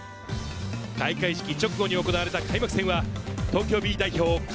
開会式直後に行われた開幕戦は東京Ｂ代表